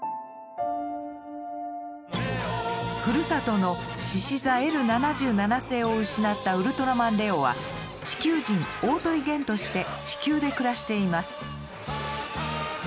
ふるさとの「獅子座Ｌ７７星」を失ったウルトラマンレオは地球人おおとりゲンとして地球で暮らしています。